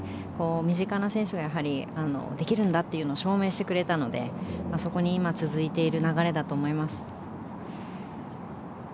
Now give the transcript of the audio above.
身近な選手ができるんだというのを証明してくれたのでそこに今続いている流れだと思います。